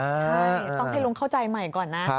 ใช่ต้องให้ลุงเข้าใจใหม่ก่อนนะ